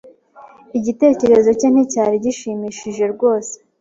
Igitekerezo cye nticyari gishimishije rwose.